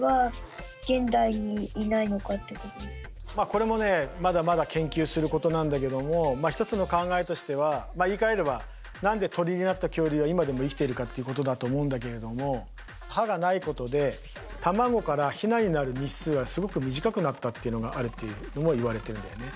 これもねまだまだ研究することなんだけども一つの考えとしては言いかえれば何で鳥になった恐竜は今でも生きてるかっていうことだと思うんだけれども歯がないことで卵からヒナになる日数はすごく短くなったっていうのがあるっていうのもいわれてるんだよね。